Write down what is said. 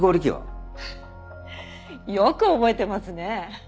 フッよく覚えてますね。